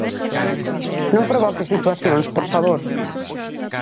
Non provoque situacións, por favor.